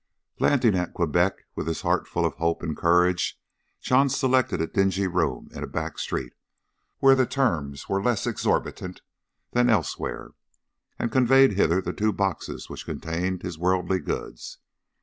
Landing at Quebec, with his heart full of hope and courage, John selected a dingy room in a back street, where the terms were less exorbitant than elsewhere, and conveyed thither the two boxes which contained his worldly goods.